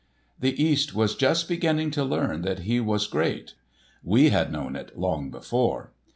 The East was just beginning to learn that he was great; we had known it long before.